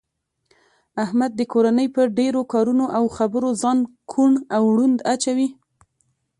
احمد د کورنۍ په ډېرو کارونو او خبرو ځان کوڼ او ړوند اچوي.